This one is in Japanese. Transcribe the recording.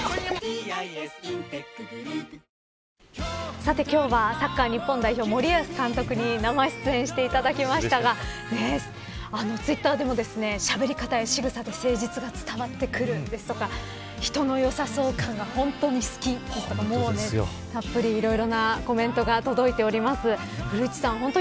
さて、今日はサッカー日本代表、森保監督に生出演していただきましたがツイッターでもしゃべり方やしぐさで誠実さが伝わってくる、ですとか人のよさそう感が本当に好きとかかしこく食べたいうわ！